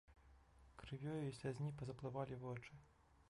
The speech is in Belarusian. Крывёю і слязьмі пазаплывалі вочы.